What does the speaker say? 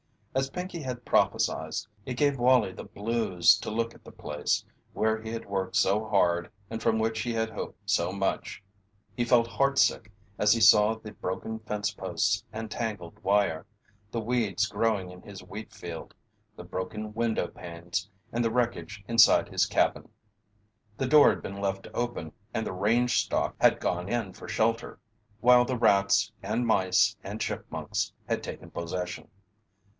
As Pinkey had prophesied, it gave Wallie the "blues" to look at the place where he had worked so hard and from which he had hoped so much. He felt heartsick as he saw the broken fence posts and tangled wire, the weeds growing in his wheat field, the broken window panes, and the wreckage inside his cabin. The door had been left open and the range stock had gone in for shelter, while the rats and mice and chipmunks had taken possession.